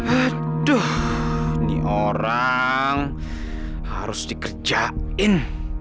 aduh ini orang harus dikerjain